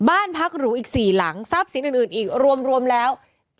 บ้านพักหรูอีก๔หลังทรัพย์สินอื่นอีกรวมแล้ว